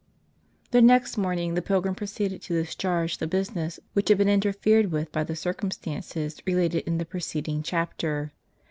HE next morning, the pilgrim proceeded to discharge the business which had been interfered with by the circumstances related in the preceding chapter.